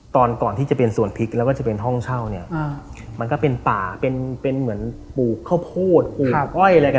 ตอนก่อนที่จะเป็นสวนพริกแล้วก็จะเป็นห้องเช่าเนี่ยมันก็เป็นป่าเป็นเหมือนปลูกข้าวโพดปลูกอ้อยอะไรกัน